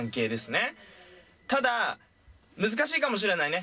ただ、難しいかもしれないね。